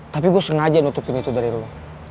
tapi gue sengaja nutupin itu dari rumah